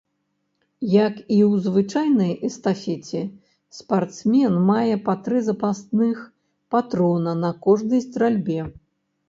Як і ў звычайнай эстафеце спартсмен мае па тры запасных патрона на кожнай стральбе.